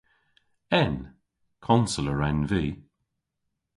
En. Konseler en vy.